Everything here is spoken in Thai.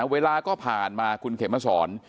เวลาก็ผ่านมาคุณเขมสอน